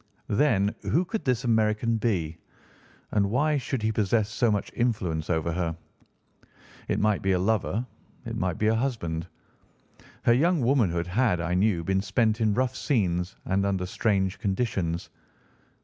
Then who could this American be, and why should he possess so much influence over her? It might be a lover; it might be a husband. Her young womanhood had, I knew, been spent in rough scenes and under strange conditions.